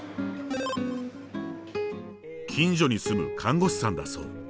近所に住む看護師さんだそう。